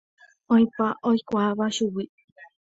Oĩpa oikuaáva chugui.